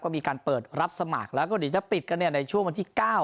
ก็มีการเปิดรับสมัครแล้วก็หลีกว่าจะปิดกันเนี่ยในช่วงวันที่เก้า